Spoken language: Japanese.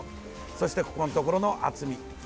そしてここのところの厚み